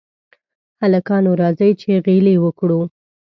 هلکانو! راځئ چې غېلې وکړو.